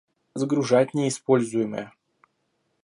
Сгружать неиспользуемые